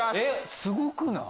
すごくない？